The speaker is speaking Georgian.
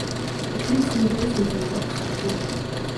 იქნებ სიმბოლიზმთან გვაქვს საქმე?